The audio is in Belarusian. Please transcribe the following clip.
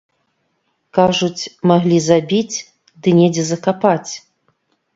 Кажуць, маглі забіць ды недзе закапаць.